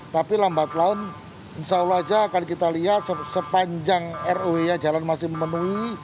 tapi lambat laun insya allah aja akan kita lihat sepanjang roe ya jalan masih memenuhi